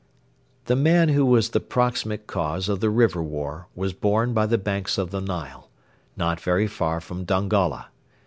The man who was the proximate cause of the River War was born by the banks of the Nile, not very far from Dongola.